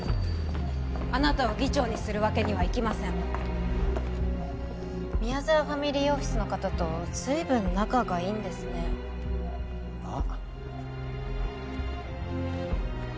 あなたを議長にするわけにはいきません宮沢ファミリーオフィスの方とずいぶん仲がいいんですねはあ？